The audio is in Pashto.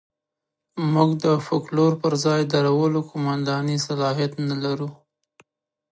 موږ د فوکلور پر ځای درولو قوماندې صلاحیت نه لرو.